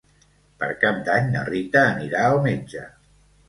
Per Cap d'Any na Rita anirà al metge.